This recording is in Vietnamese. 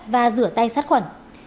và rửa tay sát khuẩn